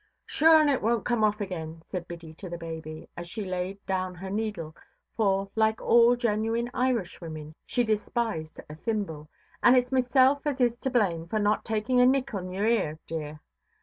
"Sure an' it wonʼt come off again", said Biddy to the baby, as she laid down her needle, for, like all genuine Irishwomen, she despised a thimble; "and itʼs meself as is to blame, for not taking a nick on your ear, dear.